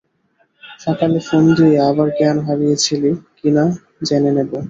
সকালে ফোন দিয়ে আবার জ্ঞান হারিয়েছিলি কিনা জেনে নেব।